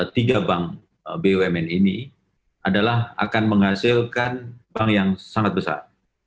tiga bank bumn ini adalah akan menghasilkan bank yang sangat besar